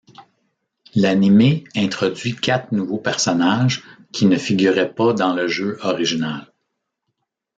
L'animé introduit quatre nouveaux personnages qui ne figuraient pas dans le jeu original.